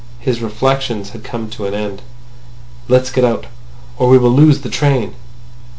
His reflections had come to an end. "Let's get out, or we will lose the train."